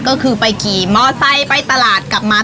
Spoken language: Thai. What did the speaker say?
ก็คือไปขี่มอไซค์ไปตลาดกลับมา